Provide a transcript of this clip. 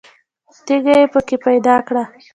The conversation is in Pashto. تیږه یې په کې پیدا کړه.